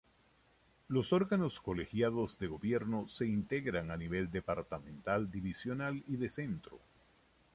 Los órganos colegiados de gobierno se integran a nivel departamental, divisional y de centro.